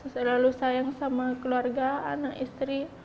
selalu sayang sama keluarga anak istri